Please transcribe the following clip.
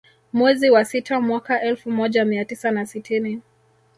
Mwezi wa sita mwaka elfu moja mia tisa na sitini